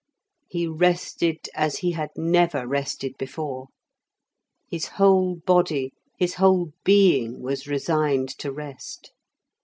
He rested as he had never rested before. His whole body, his whole being was resigned to rest.